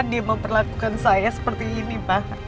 dia memperlakukan saya seperti ini pak